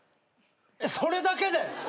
それだけで？